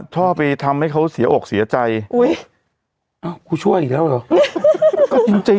พ่อไปทำให้เขาเสียอกเสียใจอุ้ยอ้าวกูช่วยอีกแล้วเหรอก็จริง